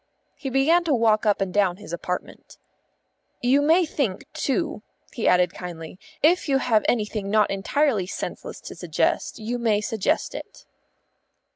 He began to walk up and down his apartment. "You may think, too," he added kindly. "If you have anything not entirely senseless to suggest, you may suggest it."